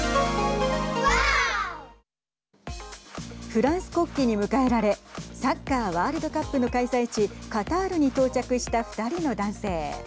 フランス国旗に迎えられサッカーワールドカップの開催地カタールに到着した２人の男性。